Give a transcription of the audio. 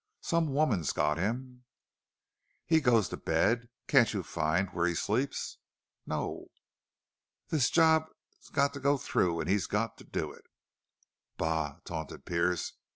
Some woman's got him!" "He goes to bed. Can't you find where he sleeps?" "No." "This job's got to go through and he's got to do it." "Bah!" taunted Pearce.